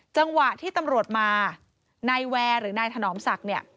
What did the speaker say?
จังหวะที่ตำรวจมานายแวร์หรือนายถนอมศักดิ์เนี่ย